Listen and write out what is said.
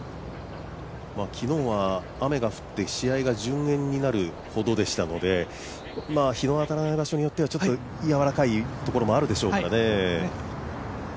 昨日は雨が降って試合が順延になるほどでしたので日の当たらない場所によってはちょっとやわらかい場所もあるでしょうからね。